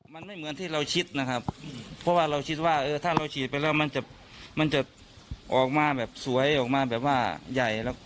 มันไม่เหมือนที่เราคิดนะครับเพราะว่าเราคิดว่าเออถ้าเราฉีดไปแล้วมันจะมันจะออกมาแบบสวยออกมาแบบว่าใหญ่